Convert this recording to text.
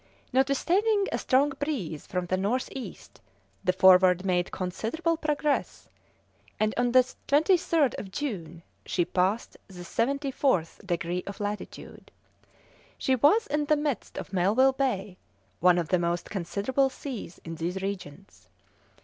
Notwithstanding a strong breeze from the northeast, the Forward made considerable progress, and on the 23rd of June she passed the 74th degree of latitude. She was in the midst of Melville Bay, one of the most considerable seas in these regions.